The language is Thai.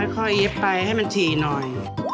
ค่อยเย็บไปให้มันฉี่หน่อย